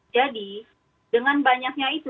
jadi dengan banyaknya itu